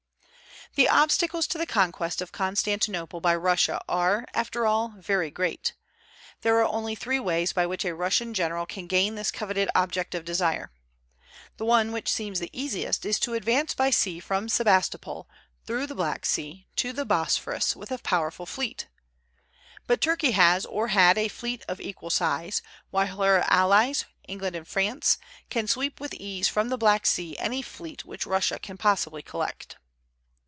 The obstacles to the conquest of Constantinople by Russia are, after all, very great. There are only three ways by which a Russian general can gain this coveted object of desire. The one which seems the easiest is to advance by sea from Sebastopol, through the Black Sea, to the Bosphorus, with a powerful fleet. But Turkey has or had a fleet of equal size, while her allies, England and France, can sweep with ease from the Black Sea any fleet which Russia can possibly collect.